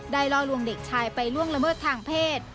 ล่อลวงเด็กชายไปล่วงละเมิดทางเพศ